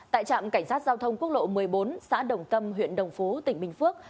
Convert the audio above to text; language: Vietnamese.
tại trạm cảnh sát giao thông quốc lộ một mươi bốn xã đồng tâm huyện đồng phú tỉnh bình phước